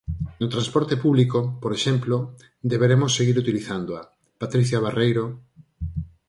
No transporte público, por exemplo, deberemos seguir utilizándoa, Patricia Barreiro...